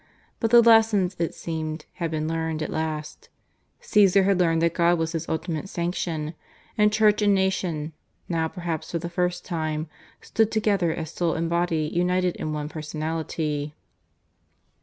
But the lesson, it seemed, had been learned at last; Caesar had learned that God was his ultimate sanction: and Church and nation, now perhaps for the first time, stood together as soul and body united in one personality.